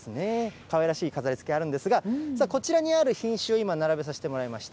かわいらしい飾りつけあるんですが、こちらにある品種を今、並べさせてもらいました。